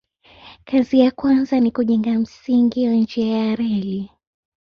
Kazi ya kwanza ni kujenga msingi wa njia ya reli.